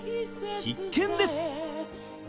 ［必見です］